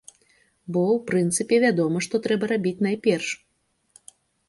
Бо, у прынцыпе, вядома што трэба рабіць найперш.